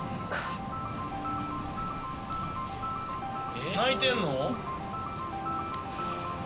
えっ？泣いてるの？